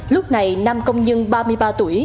lúc này nam công nhân ba mươi ba tuổi